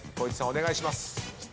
お願いします。